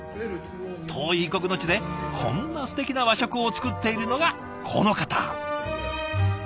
遠い異国の地でこんなすてきな和食を作っているのがこの方。